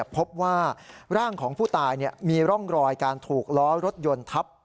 พบว่าร่างของผู้ตายมีร่องรอยการถูกล้อรถยนต์ทับ